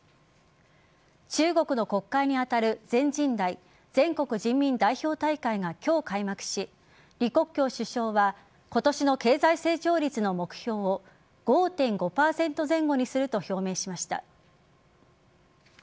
中国の国会に当たる全人代＝全国人民代表大会が今日、開幕し李克強首相は今年の経済成長率の目標を５．５％前後にすると表明しました。